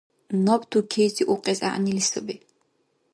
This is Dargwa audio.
Наб тукейзи укьес гӀягӀнили саби.